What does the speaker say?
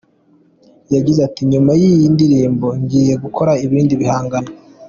Yagize ati “Nyuma y’iyi ndirimbo, ngiye gukora ibindi bihangano.